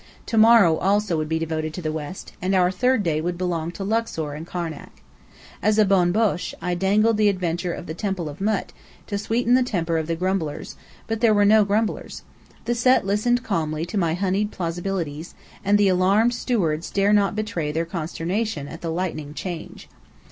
To morrow also would be devoted to the west, and our third day would belong to Luxor and Karnak. As a bonne bouche, I dangled the adventure of the Temple of Mût, to sweeten the temper of grumblers: but there were no grumblers. The Set listened calmly to my honeyed plausibilities; and the alarmed stewards dared not betray their consternation at the lightning change.